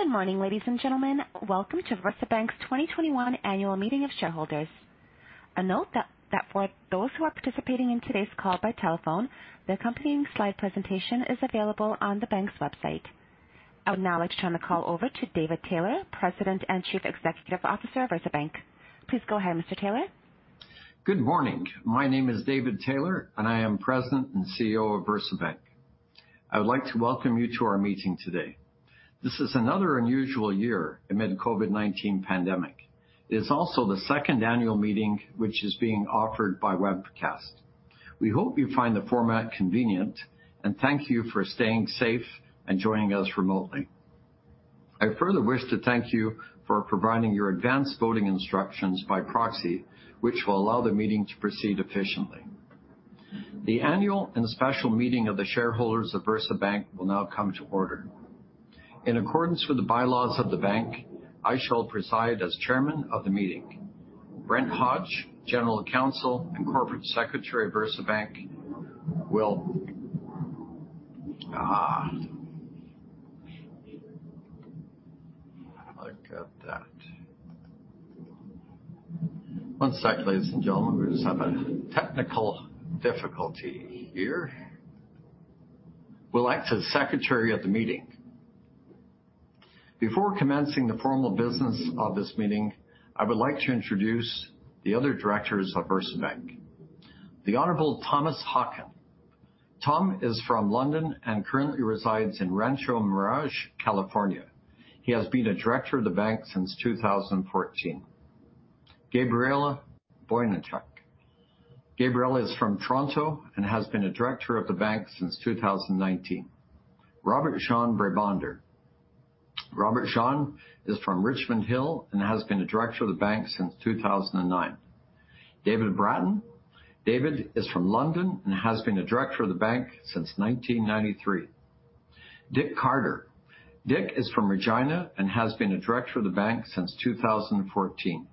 Good morning, ladies and gentlemen. Welcome to VersaBank's 2021 annual meeting of shareholders. A note that for those who are participating in today's call by telephone, the accompanying slide presentation is available on the bank's website. I would now like to turn the call over to David Taylor, President and Chief Executive Officer of VersaBank. Please go ahead, Mr. Taylor. Good morning. My name is David Taylor, I am President and CEO of VersaBank. I would like to welcome you to our meeting today. This is another unusual year amid COVID-19 pandemic. It is also the second annual meeting which is being offered by webcast. We hope you find the format convenient, thank you for staying safe and joining us remotely. I further wish to thank you for providing your advance voting instructions by proxy, which will allow the meeting to proceed efficiently. The annual and special meeting of the shareholders of VersaBank will now come to order. In accordance with the bylaws of the bank, I shall preside as chairman of the meeting. Brent Hodge, General Counsel and Corporate Secretary of VersaBank. Look at that. One sec, ladies and gentlemen. We just have a technical difficulty here. Will act as secretary of the meeting. Before commencing the formal business of this meeting, I would like to introduce the other directors of VersaBank. The Honorable Thomas Hockin. Tom is from London and currently resides in Rancho Mirage, California. He has been a director of the bank since 2014. Gabrielle Bochynek. Gabrielle is from Toronto and has been a director of the bank since 2019. Robbert-Jan Brabander. Robbert-Jan is from Richmond Hill and has been a director of the bank since 2009. David Bratton. David is from London and has been a director of the bank since 1993. Dick Carter. Dick is from Regina and has been a director of the bank since 2014.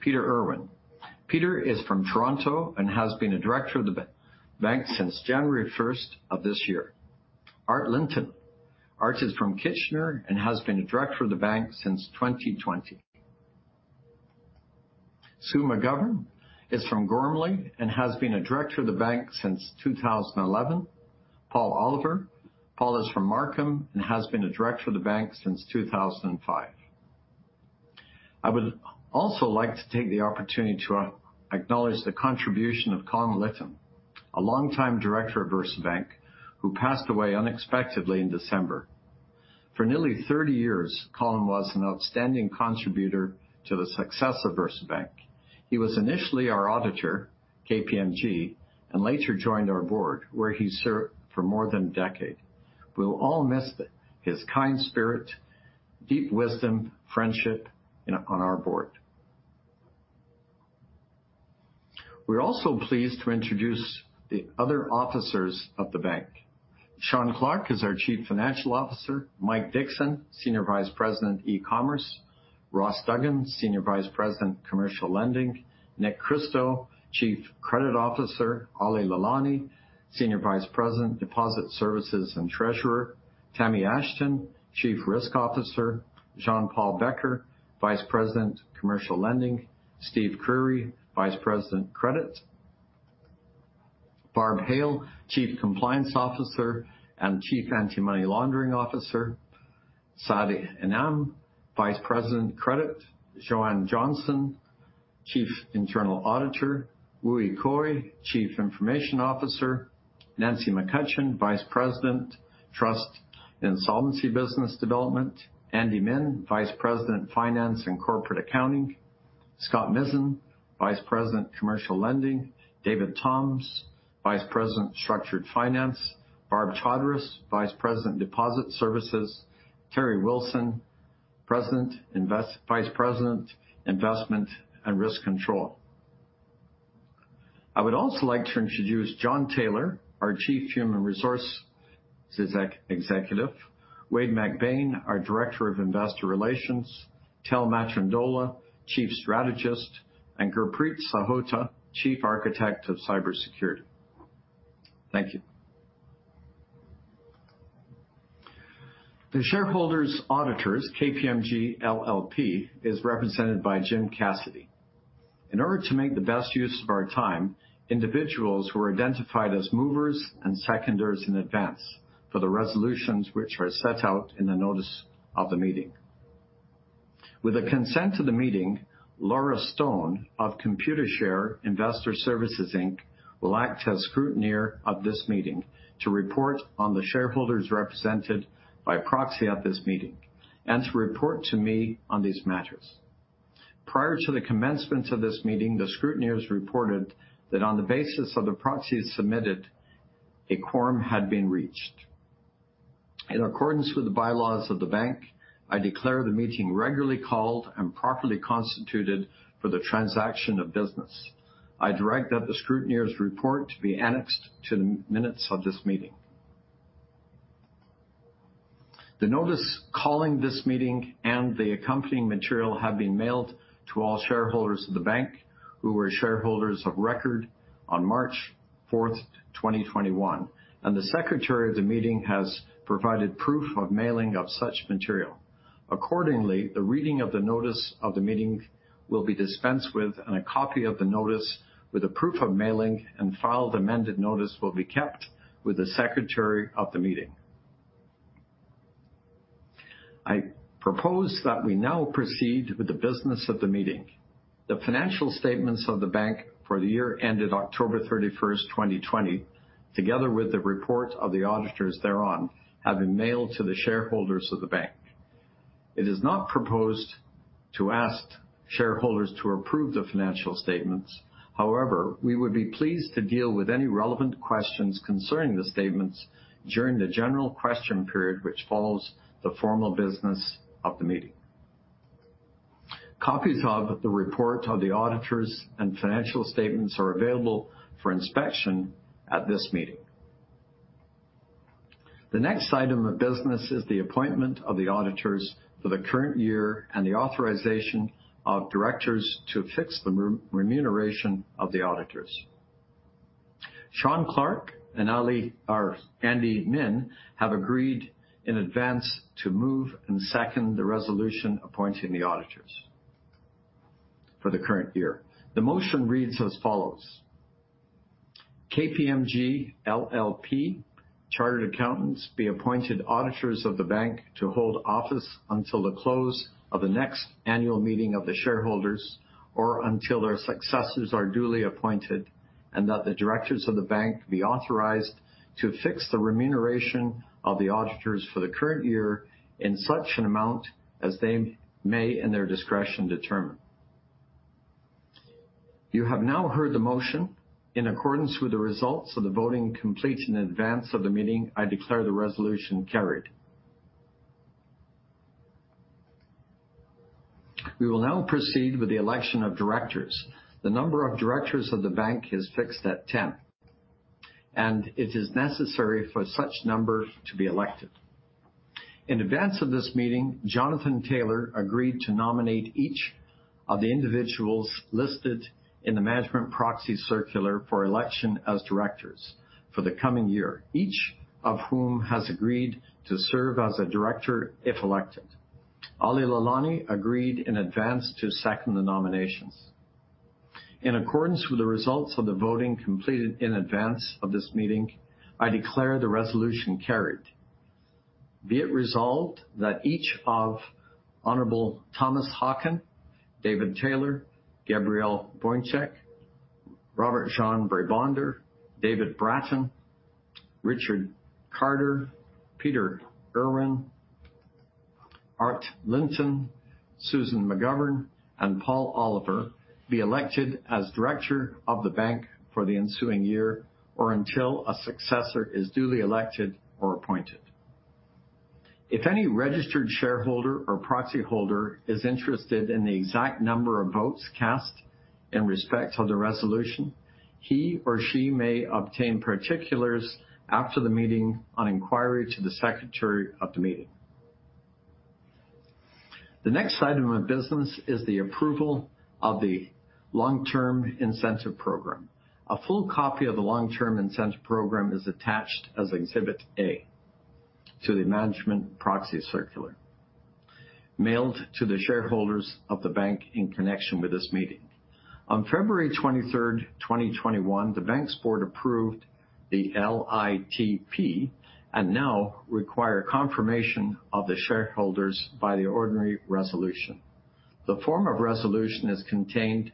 Peter Irwin. Peter is from Toronto and has been a director of the bank since January 1st of this year. Art Linton. Art is from Kitchener and has been a director of the bank since 2020. Sue McGovern is from Gormley and has been a director of the bank since 2011. Paul Oliver. Paul is from Markham and has been a director of the bank since 2005. I would also like to take the opportunity to acknowledge the contribution of Colin Litton, a longtime director of VersaBank, who passed away unexpectedly in December. For nearly 30 years, Colin was an outstanding contributor to the success of VersaBank. He was initially our auditor, KPMG, and later joined our board, where he served for more than a decade. We'll all miss his kind spirit, deep wisdom, friendship on our board. We're also pleased to introduce the other officers of the bank. Shawn Clarke is our Chief Financial Officer. Mike Dixon, Senior Vice President, E-commerce. Ross Duggan, Senior Vice President, Commercial Lending. Nick Kristo, Chief Credit Officer. Aly Lalani, Senior Vice President, Deposit Services and Treasurer. Tammie Ashton, Chief Risk Officer. Jean Paul Becker, Vice President, Commercial Lending. Steve Curry, Vice President, Credit. Barb Hale, Chief Compliance Officer and Chief Anti-Money Laundering Officer. Saad Inam, Vice President, Credit. Joanne Johnston, Chief Internal Auditor. Wooi Koay, Chief Information Officer. Nancy McCutcheon, Vice President, Trust and Solvency Business Development. Andy Min, Vice President, Finance and Corporate Accounting. Scott Mizzen, Vice President, Commercial Lending. David Thoms, Vice President, Structured Finance. Barb Todres, Vice President, Deposit Services. Terri Wilson, Vice President, Investment and Risk Control. I would also like to introduce John Taylor, our Chief Human Resources Executive. Wade MacBain, our Director of Investor Relations. Tel Matrundola, Chief Strategist, and Gurpreet Sahota, Chief Architect of Cybersecurity. Thank you. The shareholders' auditors, KPMG LLP, is represented by Jim Cassidy. In order to make the best use of our time, individuals who are identified as movers and seconders in advance for the resolutions which are set out in the notice of the meeting. With the consent of the meeting, Laura Stone of Computershare Investor Services Inc. will act as scrutineer of this meeting to report on the shareholders represented by proxy at this meeting and to report to me on these matters. Prior to the commencement of this meeting, the scrutineers reported that on the basis of the proxies submitted, a quorum had been reached. In accordance with the bylaws of the bank, I declare the meeting regularly called and properly constituted for the transaction of business. I direct that the scrutineer's report to be annexed to the minutes of this meeting. The notice calling this meeting and the accompanying material have been mailed to all shareholders of the bank who were shareholders of record on 4th March, 2021, and the secretary of the meeting has provided proof of mailing of such material. Accordingly, the reading of the notice of the meeting will be dispensed with, and a copy of the notice with a proof of mailing and filed amended notice will be kept with the secretary of the meeting. I propose that we now proceed with the business of the meeting. The financial statements of the bank for the year ended 31st October 2020, together with the report of the auditors thereon, have been mailed to the shareholders of the bank. It is not proposed to ask shareholders to approve the financial statements. However, we would be pleased to deal with any relevant questions concerning the statements during the general question period, which follows the formal business of the meeting. Copies of the report of the auditors and financial statements are available for inspection at this meeting. The next item of business is the appointment of the auditors for the current year and the authorization of directors to fix the remuneration of the auditors. Shawn Clarke and Andy Min have agreed in advance to move and second the resolution appointing the auditors for the current year. The motion reads as follows: KPMG LLP chartered accountants be appointed auditors of the bank to hold office until the close of the next annual meeting of the shareholders or until their successors are duly appointed, and that the directors of the bank be authorized to fix the remuneration of the auditors for the current year in such an amount as they may, in their discretion, determine. You have now heard the motion. In accordance with the results of the voting complete in advance of the meeting, I declare the resolution carried. We will now proceed with the election of directors. The number of directors of the bank is fixed at 10, and it is necessary for such number to be elected. In advance of this meeting, Jonathan Taylor agreed to nominate each of the individuals listed in the management proxy circular for election as directors for the coming year, each of whom has agreed to serve as a director if elected. Aly Lalani agreed in advance to second the nominations. In accordance with the results of the voting completed in advance of this meeting, I declare the resolution carried. Be it resolved that each of Honorable Thomas A. Hockin, David Taylor, Gabrielle Bochynek, Robbert-Jan Brabander, David Bratton, Richard Carter, Peter Irwin, Art Linton, Susan McGovern, and Paul Oliver be elected as director of the bank for the ensuing year or until a successor is duly elected or appointed. If any registered shareholder or proxy holder is interested in the exact number of votes cast in respect of the resolution, he or she may obtain particulars after the meeting on inquiry to the secretary of the meeting. The next item of business is the approval of the Long-Term Incentive Program. A full copy of the Long-Term Incentive Program is attached as exhibit A to the management proxy circular mailed to the shareholders of the bank in connection with this meeting. On 23rd February 2021, the bank's board approved the LTIP and now require confirmation of the shareholders by the ordinary resolution. The form of resolution is contained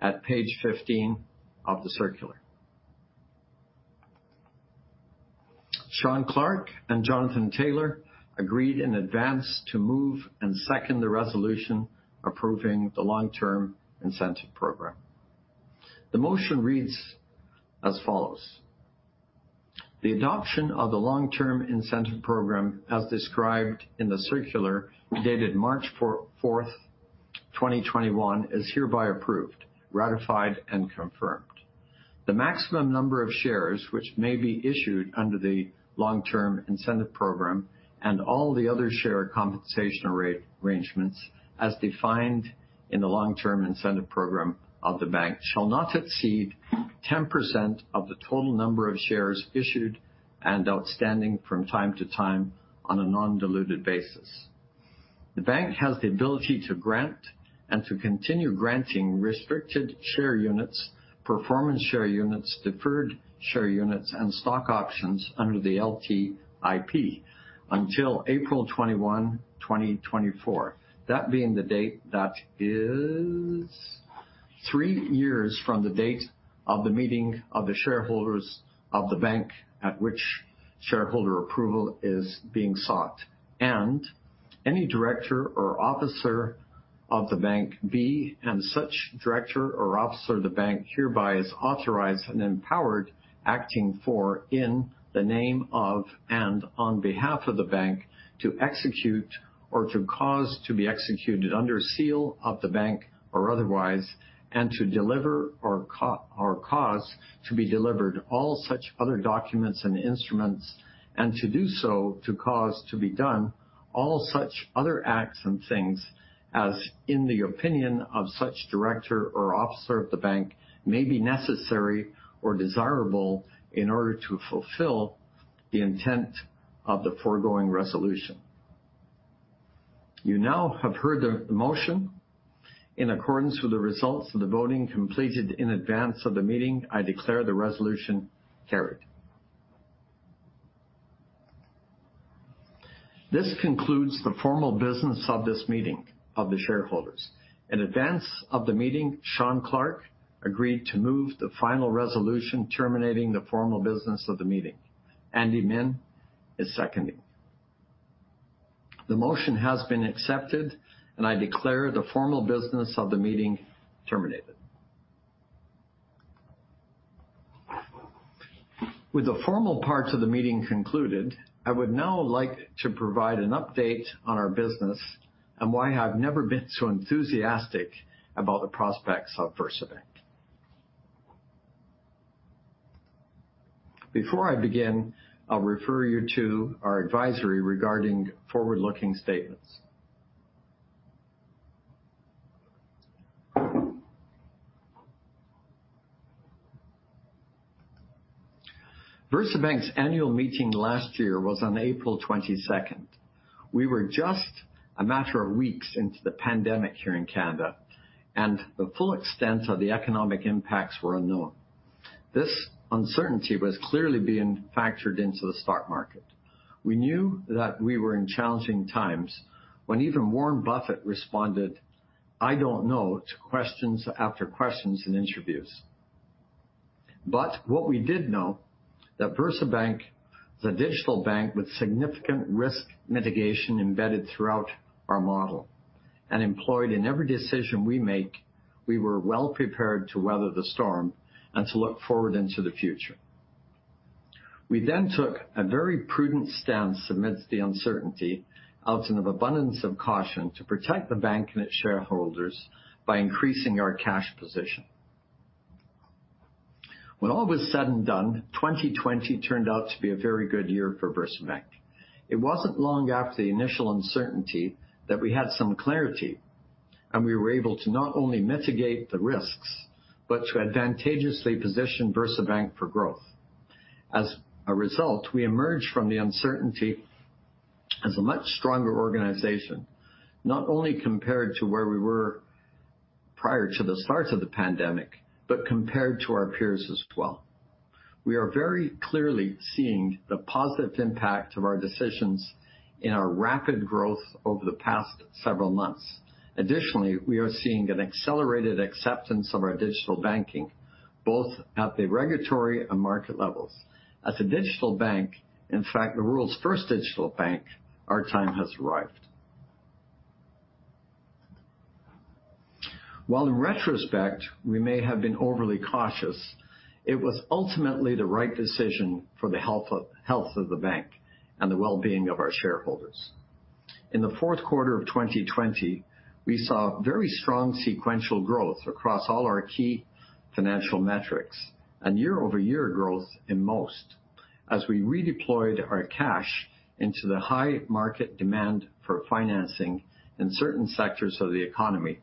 at page 15 of the circular. Shawn Clarke and Jonathan Taylor agreed in advance to move and second the resolution approving the Long-Term Incentive Program. The motion reads as follows: The adoption of the Long-Term Incentive Program as described in the circular dated 4th March 2021, is hereby approved, ratified, and confirmed. The maximum number of shares which may be issued under the Long-Term Incentive Program and all the other share compensation arrangements as defined in the Long-Term Incentive Program of the bank shall not exceed 10% of the total number of shares issued and outstanding from time to time on a non-diluted basis. The bank has the ability to grant and to continue granting restricted share units, performance share units, deferred share units, and stock options under the LTIP until 21 April 2024. That being the date that is three years from the date of the meeting of the shareholders of the bank at which shareholder approval is being sought. Any director or officer of the bank be, and such director or officer of the bank hereby is authorized and empowered, acting for, in the name of, and on behalf of the bank, to execute or to cause to be executed under seal of the bank or otherwise, and to deliver or cause to be delivered all such other documents and instruments and to do so to cause to be done all such other acts and things as in the opinion of such director or officer of the bank may be necessary or desirable in order to fulfill the intent of the foregoing resolution. You now have heard the motion. In accordance with the results of the voting completed in advance of the meeting, I declare the resolution carried. This concludes the formal business of this meeting of the shareholders. In advance of the meeting, Shawn Clarke agreed to move the final resolution terminating the formal business of the meeting. Andy Min is seconding. The motion has been accepted. I declare the formal business of the meeting terminated. With the formal parts of the meeting concluded, I would now like to provide an update on our business and why I've never been so enthusiastic about the prospects of VersaBank. Before I begin, I'll refer you to our advisory regarding forward-looking statements. VersaBank's annual meeting last year was on April 22nd. We were just a matter of weeks into the pandemic here in Canada. The full extent of the economic impacts were unknown. This uncertainty was clearly being factored into the stock market. We knew that we were in challenging times when even Warren Buffett responded, "I don't know," to questions after questions in interviews. What we did know, that VersaBank is a digital bank with significant risk mitigation embedded throughout our model and employed in every decision we make, we were well prepared to weather the storm and to look forward into the future. We took a very prudent stance amidst the uncertainty out of abundance of caution to protect the bank and its shareholders by increasing our cash position. When all was said and done, 2020 turned out to be a very good year for VersaBank. It wasn't long after the initial uncertainty that we had some clarity, and we were able to not only mitigate the risks, but to advantageously position VersaBank for growth. As a result, we emerged from the uncertainty as a much stronger organization, not only compared to where we were prior to the start of the pandemic, but compared to our peers as well. We are very clearly seeing the positive impact of our decisions in our rapid growth over the past several months. We are seeing an accelerated acceptance of our digital banking, both at the regulatory and market levels. As a digital bank, in fact, the world's first digital bank, our time has arrived. While in retrospect, we may have been overly cautious, it was ultimately the right decision for the health of the bank and the well-being of our shareholders. In the fourth quarter of 2020, we saw very strong sequential growth across all our key financial metrics, and year-over-year growth in most as we redeployed our cash into the high market demand for financing in certain sectors of the economy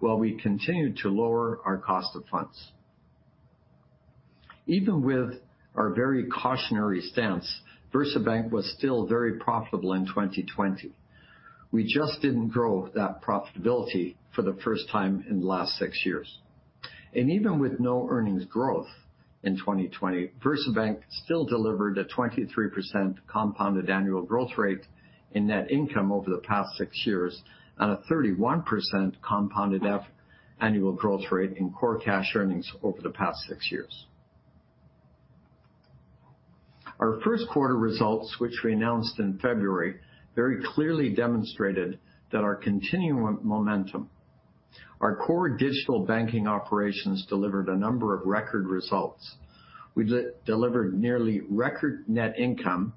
while we continued to lower our cost of funds. Even with our very cautionary stance, VersaBank was still very profitable in 2020. We just didn't grow that profitability for the first time in the last six years. Even with no earnings growth in 2020, VersaBank still delivered a 23% compounded annual growth rate in net income over the past six years on a 31% compounded annual growth rate in core cash earnings over the past six years. Our first quarter results, which we announced in February, very clearly demonstrated that our continuing momentum, our core digital banking operations delivered a number of record results. We delivered nearly record net income,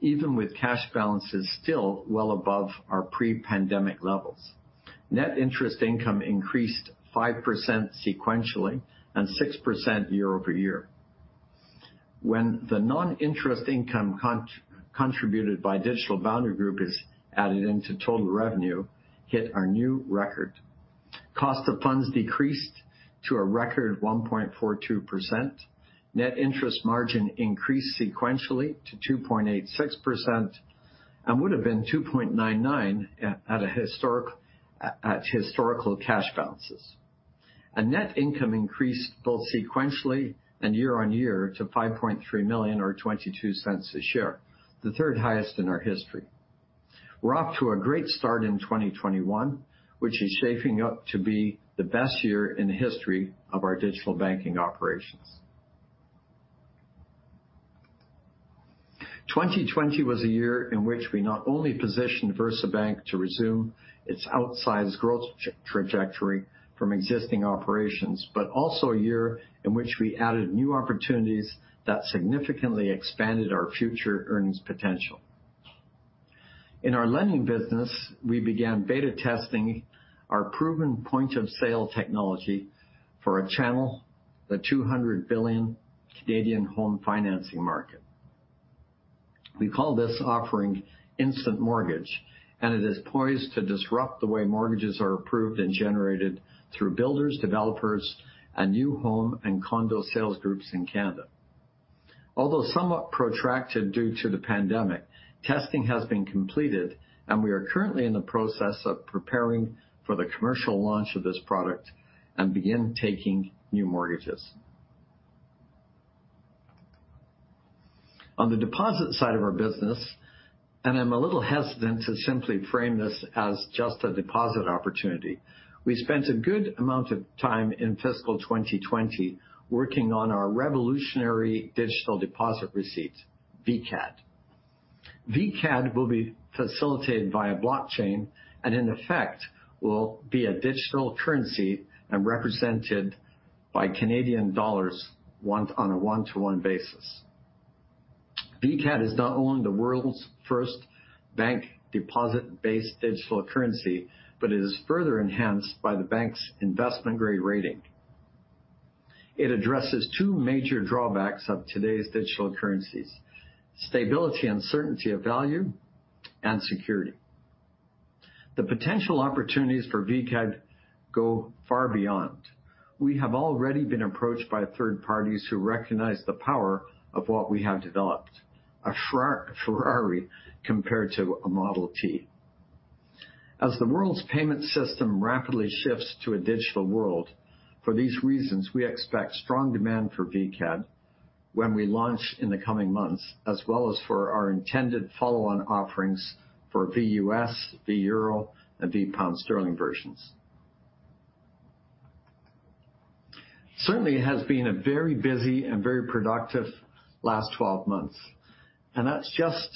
even with cash balances still well above our pre-pandemic levels. Net interest income increased 5% sequentially and 6% year-over-year. When the non-interest income contributed by Digital Boundary Group is added into total revenue hit our new record. Cost of funds decreased to a record 1.42%. Net interest margin increased sequentially to 2.86% and would have been 2.99% at historical cash balances. Net income increased both sequentially and year-over-year to 5.3 million or 0.22 a share, the third highest in our history. We're off to a great start in 2021, which is shaping up to be the best year in the history of our digital banking operations. 2020 was a year in which we not only positioned VersaBank to resume its outsized growth trajectory from existing operations, but also a year in which we added new opportunities that significantly expanded our future earnings potential. In our lending business, we began beta testing our proven point-of-sale technology for a channel, the 200 billion Canadian home financing market. We call this offering Instant Mortgage, and it is poised to disrupt the way mortgages are approved and generated through builders, developers, and new home and condo sales groups in Canada. Although somewhat protracted due to the pandemic, testing has been completed, and we are currently in the process of preparing for the commercial launch of this product and begin taking new mortgages. On the deposit side of our business, and I'm a little hesitant to simply frame this as just a deposit opportunity, we spent a good amount of time in fiscal 2020 working on our revolutionary Digital Deposit Receipt, VCAD. VCAD will be facilitated by a blockchain and in effect will be a digital currency and represented by Canadian dollars on a one-to-one basis. VCAD is not only the world's first bank deposit-based digital currency, but it is further enhanced by the bank's investment-grade rating. It addresses two major drawbacks of today's digital currencies, stability and certainty of value and security. The potential opportunities for VCAD go far beyond. We have already been approached by third parties who recognize the power of what we have developed, a Ferrari compared to a Model T. As the world's payment system rapidly shifts to a digital world, for these reasons, we expect strong demand for VCAD when we launch in the coming months, as well as for our intended follow-on offerings for VUSD, VEURO, and VGBP sterling versions. Certainly has been a very busy and very productive last 12 months, and that's just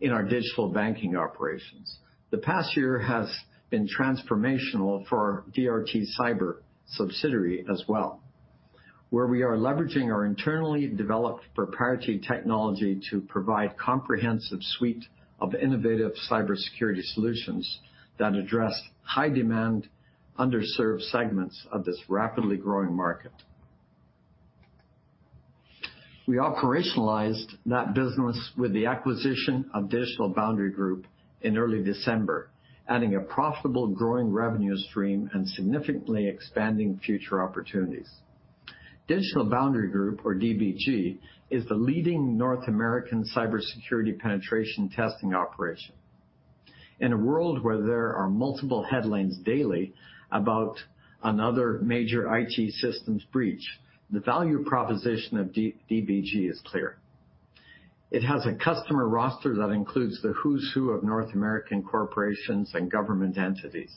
in our digital banking operations. The past year has been transformational for our DRT Cyber subsidiary as well, where we are leveraging our internally developed proprietary technology to provide comprehensive suite of innovative cybersecurity solutions that address high demand, underserved segments of this rapidly growing market. We operationalized that business with the acquisition of Digital Boundary Group in early December, adding a profitable growing revenue stream and significantly expanding future opportunities. Digital Boundary Group, or DBG, is the leading North American cybersecurity penetration testing operation. In a world where there are multiple headlines daily about another major IT systems breach, the value proposition of DBG is clear. It has a customer roster that includes the who's who of North American corporations and government entities.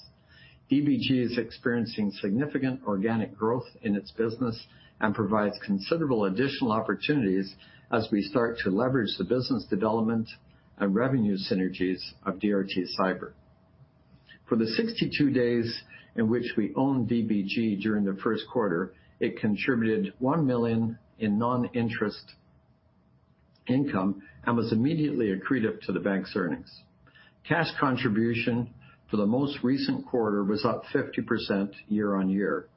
DBG is experiencing significant organic growth in its business and provides considerable additional opportunities as we start to leverage the business development and revenue synergies of DRT Cyber. For the 62 days in which we owned DBG during the first quarter, it contributed 1 million in non-interest income and was immediately accretive to the bank's earnings. Cash contribution for the most recent quarter was up 50% year-on-year,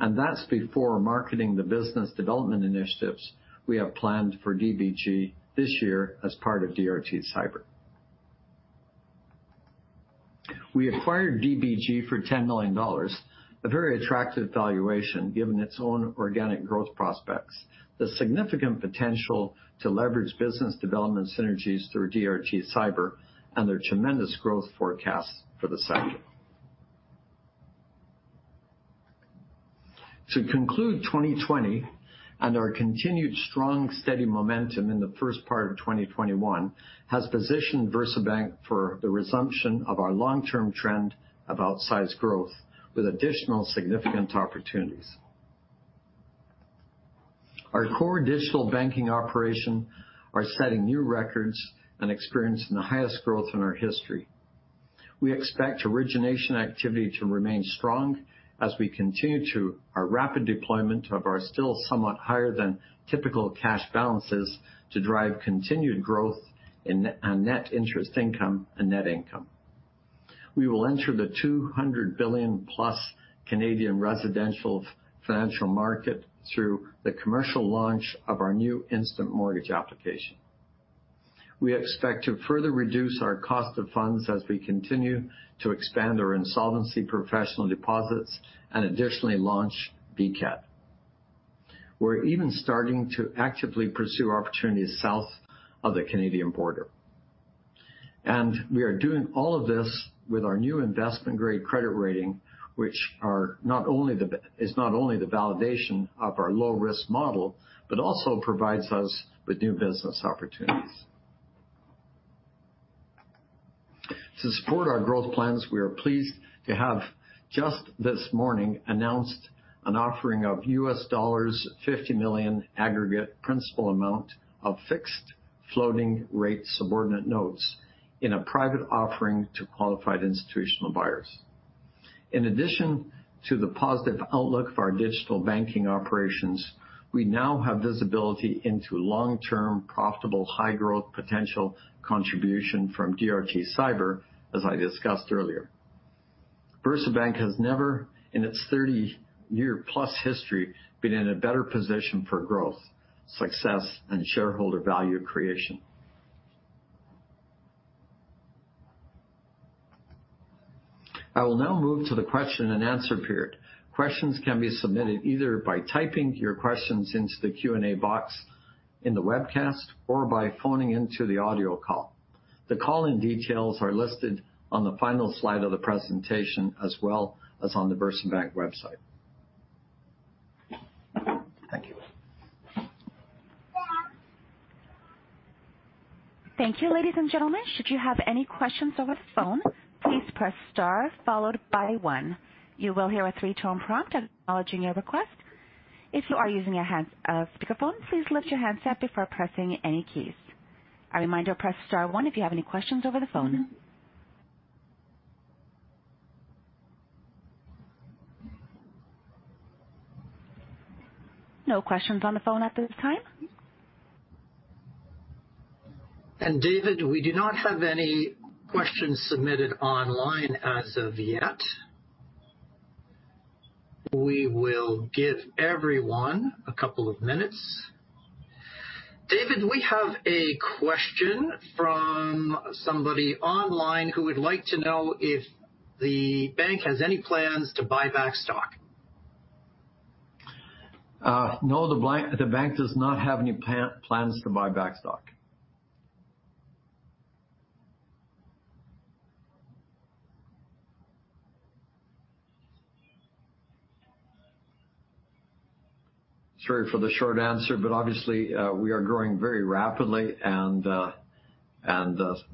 and that's before marketing the business development initiatives we have planned for DBG this year as part of DRT Cyber. We acquired DBG for 10 million dollars, a very attractive valuation given its own organic growth prospects, the significant potential to leverage business development synergies through DRT Cyber, and their tremendous growth forecasts for the sector. To conclude, 2020 and our continued strong, steady momentum in the first part of 2021 has positioned VersaBank for the resumption of our long-term trend of outsized growth with additional significant opportunities. Our core digital banking operation are setting new records and experiencing the highest growth in our history. We expect origination activity to remain strong as we continue to our rapid deployment of our still somewhat higher than typical cash balances to drive continued growth in net interest income and net income. We will enter the 200 billion-plus Canadian residential financial market through the commercial launch of our new Instant Mortgage application. We expect to further reduce our cost of funds as we continue to expand our insolvency professional deposits and additionally launch VCAD. We're even starting to actively pursue opportunities south of the Canadian border. We are doing all of this with our new investment-grade credit rating, which is not only the validation of our low-risk model but also provides us with new business opportunities. To support our growth plans, we are pleased to have just this morning announced an offering of $50 million aggregate principal amount of fixed floating rate subordinate notes in a private offering to qualified institutional buyers. In addition to the positive outlook for our digital banking operations, we now have visibility into long-term, profitable, high-growth potential contribution from DRT Cyber, as I discussed earlier. VersaBank has never, in its 30-year plus history, been in a better position for growth, success and shareholder value creation. I will now move to the question and answer period. Questions can be submitted either by typing your questions into the Q&A box in the webcast or by phoning into the audio call. The call-in details are listed on the final slide of the presentation as well as on the VersaBank website. Thank you. Thank you, ladies and gentlemen. Should you have any questions over the phone, please press star followed by one. You will hear a three-tone prompt acknowledging your request. If you are using a speakerphone, please lift your handset before pressing any keys. A reminder, press star one if you have any questions over the phone. No questions on the phone at this time. David, we do not have any questions submitted online as of yet. We will give everyone a couple of minutes. David, we have a question from somebody online who would like to know if the bank has any plans to buy back stock. No. The bank does not have any plans to buy back stock. Sorry for the short answer, obviously, we are growing very rapidly and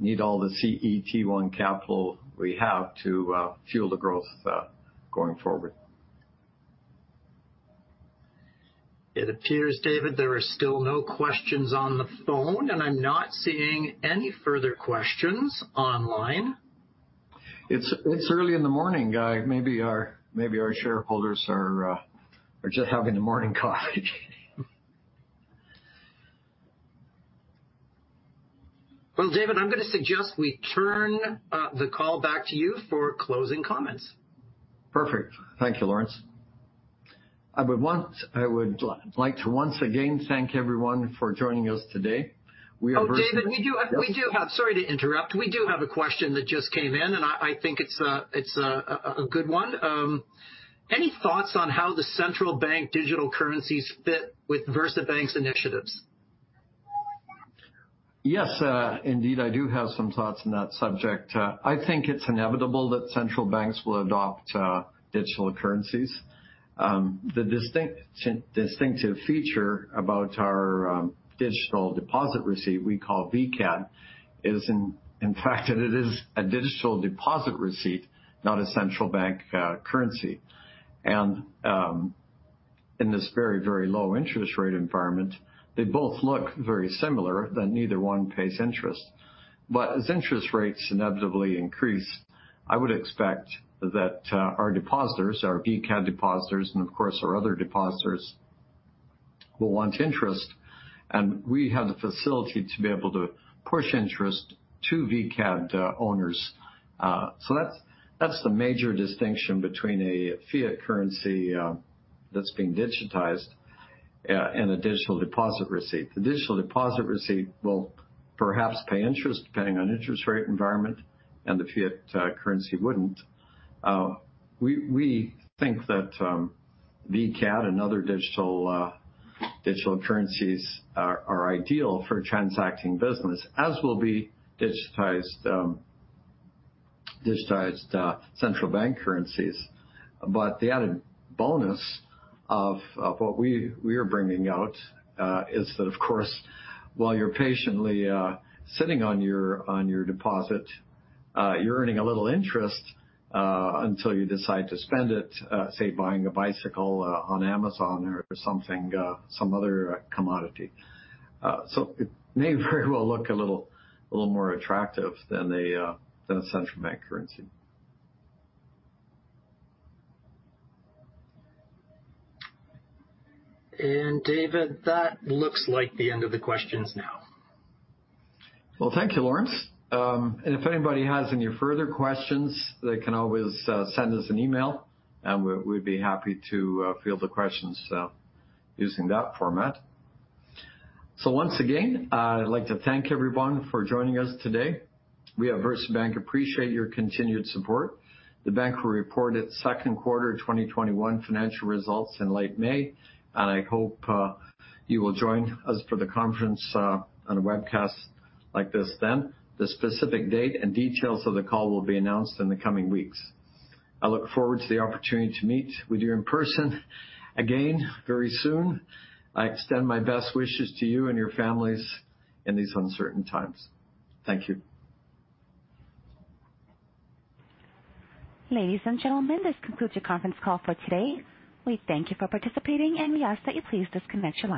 need all the CET1 capital we have to fuel the growth going forward. It appears, David, there are still no questions on the phone, and I'm not seeing any further questions online. It's early in the morning. Maybe our shareholders are just having their morning coffee. David, I'm going to suggest we turn the call back to you for closing comments. Perfect. Thank you, Lawrence. I would like to once again thank everyone for joining us today. Oh, David, sorry to interrupt. We do have a question that just came in. I think it is a good one. Any thoughts on how the central bank digital currencies fit with VersaBank's initiatives? Yes. Indeed, I do have some thoughts on that subject. I think it's inevitable that central banks will adopt digital currencies. The distinctive feature about our digital deposit receipt, we call VCAD, is in fact that it is a digital deposit receipt, not a central bank currency. In this very low interest rate environment, they both look very similar that neither one pays interest. As interest rates inevitably increase, I would expect that our VCAD depositors, and of course our other depositors, will want interest, and we have the facility to be able to push interest to VCAD owners. That's the major distinction between a fiat currency that's being digitized and a digital deposit receipt. The digital deposit receipt will perhaps pay interest depending on interest rate environment, and the fiat currency wouldn't. We think that VCAD and other digital currencies are ideal for transacting business, as will be digitized central bank currencies. The added bonus of what we are bringing out is that, of course, while you're patiently sitting on your deposit, you're earning a little interest until you decide to spend it, say, buying a bicycle on Amazon or some other commodity. It may very well look a little more attractive than a central bank currency. David, that looks like the end of the questions now. Well, thank you, Lawrence. If anybody has any further questions, they can always send us an email, and we'd be happy to field the questions using that format. Once again, I'd like to thank everyone for joining us today. We at VersaBank appreciate your continued support. The bank will report its second quarter 2021 financial results in late May, and I hope you will join us for the conference on a webcast like this then. The specific date and details of the call will be announced in the coming weeks. I look forward to the opportunity to meet with you in person again very soon. I extend my best wishes to you and your families in these uncertain times. Thank you. Ladies and gentlemen, this concludes your conference call for today. We thank you for participating, and we ask that you please disconnect your line.